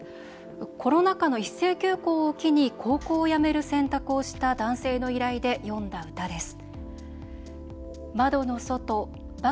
コロナ禍の一斉休校を機に高校をやめる選択をした男性の依頼で詠んだ歌です。